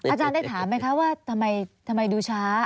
อาจารย์ได้ถามไหมคะว่าทำไมดูช้า